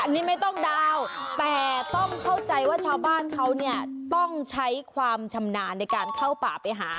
อันนี้ไม่ต้องดาวน์แต่ต้องเข้าใจว่าชาวบ้านเขาเนี่ยต้องใช้ความชำนาญในการเข้าป่าไปหา